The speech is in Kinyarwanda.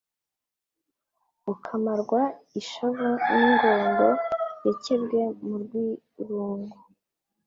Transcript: Ukamarwa ishavu n' ingondo Yakebwe mu rw' irungu,